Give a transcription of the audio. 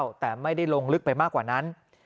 เขาได้เล่าแต่ไม่ได้ลงลึกไปมากกว่านั้น